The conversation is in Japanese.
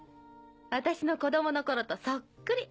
私の子供の頃とそっくり。